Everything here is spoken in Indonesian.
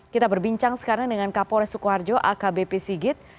kita berbincang sekarang dengan kapolres sukoharjo akbp sigit